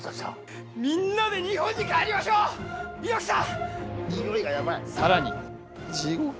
みんなで日本に帰りましょう猪木さん！